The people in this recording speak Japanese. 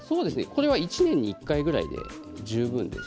１年に１回ぐらいで十分です。